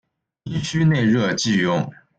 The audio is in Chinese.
阴虚内热忌用。